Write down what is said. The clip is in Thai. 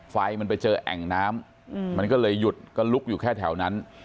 ไฟมันไปเจอแอ่งน้ำมันก็เลยหยุดก็ลุกอยู่แค่แถวนั้น